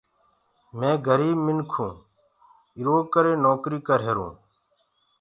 مينٚ گريٚب منکوٚنٚ ايٚرو ڪري نوڪريٚ ڪريهرونٚ۔